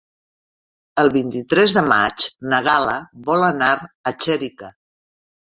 El vint-i-tres de maig na Gal·la vol anar a Xèrica.